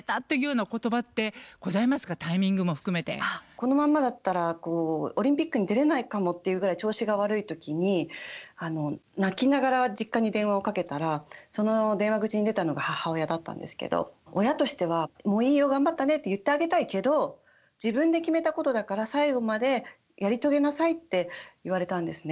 このまんまだったらオリンピックに出れないかもっていうぐらい調子が悪い時に泣きながら実家に電話をかけたらその電話口に出たのが母親だったんですけど「親としてはもういいよ頑張ったねって言ってあげたいけど自分で決めたことだから最後までやり遂げなさい」って言われたんですね。